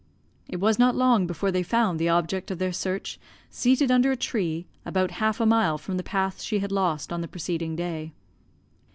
It was not long before they found the object of their search seated under a tree, about half a mile from the path she had lost on the preceding day.